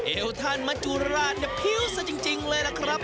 เอวท่านมัจจุราชเนี่ยพิ้วซะจริงเลยล่ะครับ